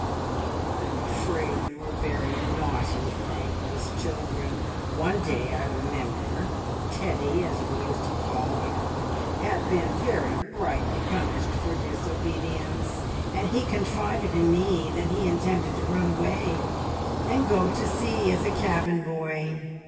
"I am afraid we were very naughty, thankless children. One day, I remember, Teddy, as we used to call him, had been very rightly punished for disobedience, and he confided in me that he intended to run away, and go to sea, as a cabin boy.